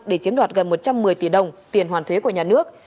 để chiếm đoạt gần một trăm một mươi tỷ đồng tiền hoàn thuế của nhà nước